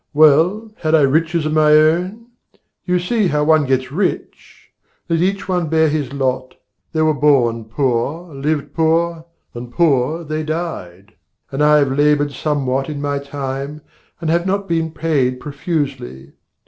Well, had I riches of my own? you see How one gets rich! Let each one bear his lot. They were born poor, lived poor, and poor they died: And I have laboured somewhat in my time And not been paid profusely.